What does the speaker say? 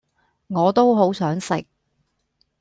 我都好想食